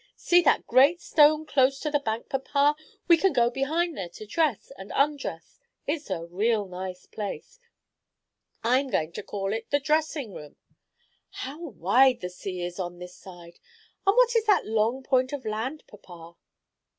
"See that great stone close to the bank, papa. We can go behind there to dress and undress. It's a real nice place. I'm going to call it the 'The Dressing room.' How wide the sea is on this side! And what is that long point of land, papa?"